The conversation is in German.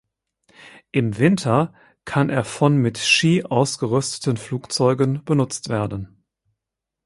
Im Winter kann er von mit Ski ausgerüsteten Flugzeugen benutzt werden.